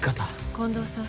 近藤さん。